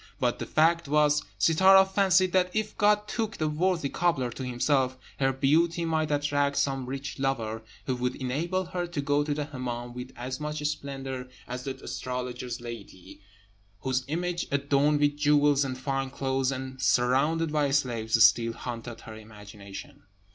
But the fact was, Sittâra fancied that if God took the worthy cobbler to himself, her beauty might attract some rich lover, who would enable her to go to the Hemmâm with as much splendour as the astrologer's lady, whose image, adorned with jewels and fine clothes, and surrounded by slaves, still haunted her imagination.